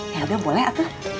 yaudah boleh atu